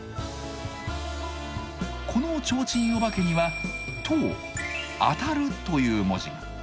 この提灯お化けには「當」「当」たるという文字が。